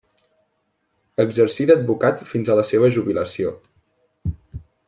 Exercí d'advocat fins a la seva jubilació.